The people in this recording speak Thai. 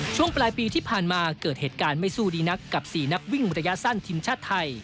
ช่วงปลายปีที่ผ่านมาเกิดเหตุการณ์ไม่สู้ดีนักกับ๔นักวิ่งระยะสั้นทีมชาติไทย